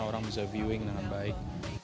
orang bisa viewing dengan baik